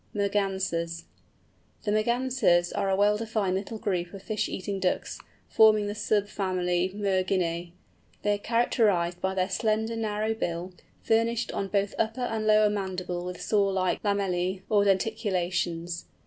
MERGANSERS. The Mergansers are a well defined little group of fish eating Ducks, forming the sub family Merginæ. They are characterised by their slender, narrow bill, furnished on both upper and lower mandible with saw like lamellæ or denticulations.